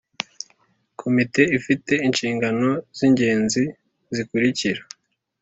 Komite ifite inshingano z ingenzi zikurikira